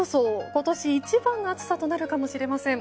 今年一番の暑さとなるかもしれません。